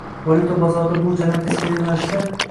Valyuta bozorida bu jarayon teskari yo'nalishda